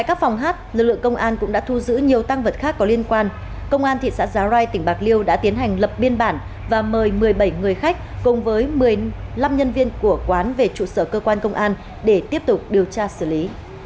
công an thị xã rá rai tỉnh bạc liêu đã tiến hành lập biên bản và mời một mươi bảy người khách cùng với một mươi năm nhân viên của quán về trụ sở cơ quan công an để tiếp tục điều tra xử lý